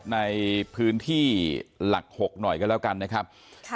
ในพื้นที่หลัก๖หน่อยก็แล้วกันนะครับ